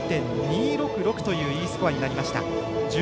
９．２６６というＥスコアになりました。１４．２６６